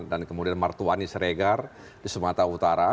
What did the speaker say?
dan kemudian martuani sregar di sumatera utara